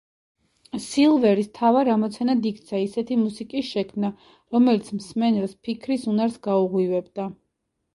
სილვერის მთავარ ამოცანად იქცა ისეთი მუსიკის შექმნა, რომელიც მსმენელს ფიქრის უნარს გაუღვივებდა.